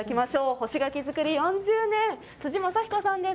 干し柿作り４０年、辻政彦さんです。